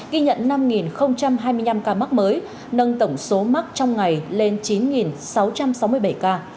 dịch covid một mươi chín ghi nhận năm hai mươi năm ca mắc mới nâng tổng số mắc trong ngày lên chín sáu trăm sáu mươi bảy ca